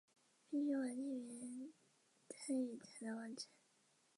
但后来开设办事处一事不但束之高阁。